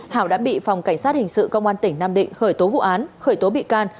hảo đã bị phòng cảnh sát hình sự công an tỉnh nam định khởi tố vụ án khởi tố bị can